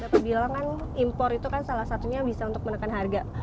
bapak bilang kan impor itu kan salah satunya bisa untuk menekan harga